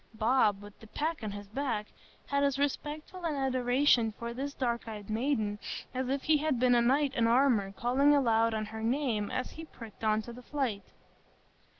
Bob, with the pack on his back, had as respectful an adoration for this dark eyed maiden as if he had been a knight in armor calling aloud on her name as he pricked on to the fight.